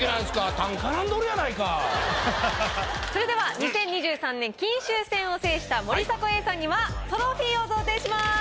それでは２０２３年金秋戦を制した森迫永依さんにはトロフィーを贈呈します。